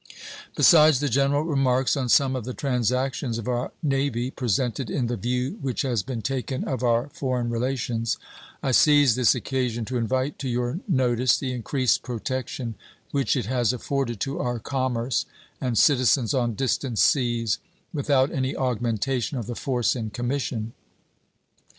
Besides the general remarks on some of the transactions of our Navy presented in the view which has been taken of our foreign relations, I seize this occasion to invite to your notice the increased protection which it has afforded to our commerce and citizens on distant seas without any augmentation of the force in commission.